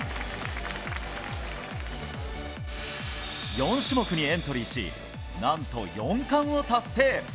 ４種目にエントリーし何と４冠を達成！